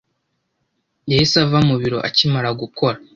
Yahise ava mu biro akimara gukora.